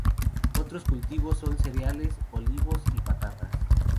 Otros cultivos son cereales, olivos y patatas.